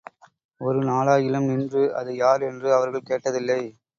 ஒரு நாளாகிலும் நின்று, அது யார் என்று அவர்கள் கேட்டதில்லை.